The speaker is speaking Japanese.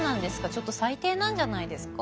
ちょっと最低なんじゃないですか？